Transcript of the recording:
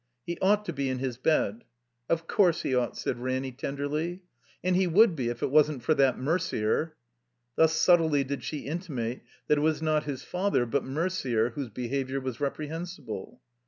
"He ought to be in His bed —" "Of c»urse he ought," said Ranny, tenderly. "And He wotild be if it wasn't for that Merder.'' Thus subtly did she intimate that it was not his father but Merder whose behavior was reprehen sible.